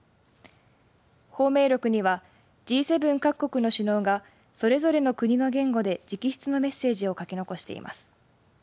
芳名録にはＧ７各国の首脳がそれぞれの国の言語で直筆のメッセージを書き残しています。